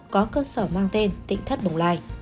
có cơ sở mang tên tỉnh thất bóng lai